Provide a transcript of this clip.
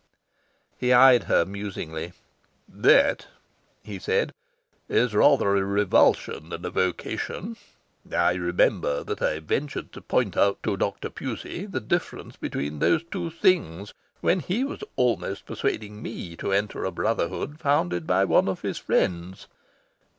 He eyed her musingly. "That," he said, "is rather a revulsion than a vocation. I remember that I ventured to point out to Dr. Pusey the difference between those two things, when he was almost persuading me to enter a Brotherhood founded by one of his friends.